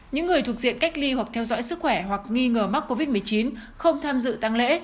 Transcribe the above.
những người thuộc diện cách ly hoặc theo dõi sức khỏe hoặc nghi ngờ mắc covid một mươi chín không tham dự tăng lễ